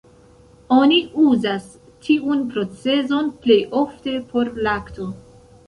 Oni uzas tiun procezon plej ofte por lakto.